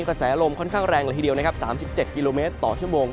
กระแสลมค่อนข้างแรงละทีเดียวนะครับ๓๗กิโลเมตรต่อชั่วโมง